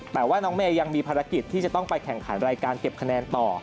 แต่ว่าน้องเมย์ยังมีภารกิจที่จะต้องไปแข่งขันรายการเก็บคะแนนต่อ